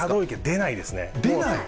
出ない？